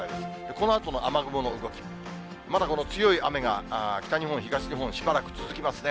このあとの雨雲の動き、まだこの強い雨が北日本、東日本、しばらく続きますね。